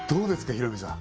ヒロミさん